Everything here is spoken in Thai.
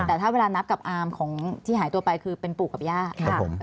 แต่ถ้าเวลานับกับอามของที่หายตัวไปคือเป็นปู่กับย่า